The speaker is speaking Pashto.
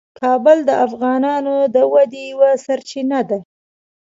کابل د افغانانو د ودې یوه سرچینه ده.